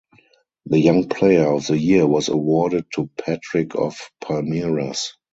The Young Player of the Year was awarded to Patrick of Palmeiras.